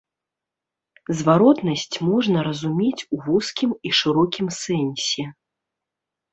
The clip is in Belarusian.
Зваротнасць можна разумець у вузкім і шырокім сэнсе.